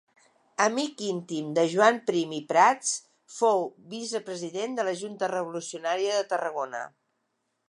Amic íntim de Joan Prim i Prats, fou vicepresident de la Junta Revolucionària de Tarragona.